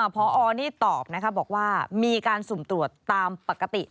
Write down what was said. พอนี่ตอบนะคะบอกว่ามีการสุ่มตรวจตามปกติ